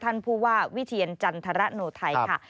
ท่านผู้ว่าวิเทียนจันทรโนไทยค่ะ